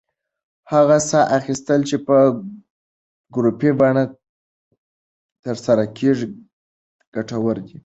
هغه ساه اخیستل چې په ګروپي بڼه ترسره کېږي، ګټور دی.